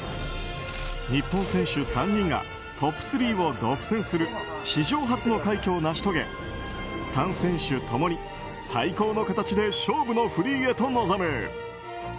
日本選手３人がトップ３を独占する史上初の快挙を成し遂げ３選手共に最高の形で勝負のフリーへと臨む。